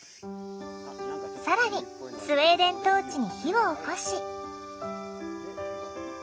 更にスウェーデントーチに火をおこし。